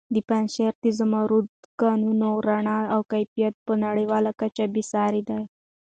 د پنجشېر د زمردو کانونو رڼا او کیفیت په نړیواله کچه بې ساري دی.